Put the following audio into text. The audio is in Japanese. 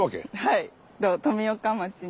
はい。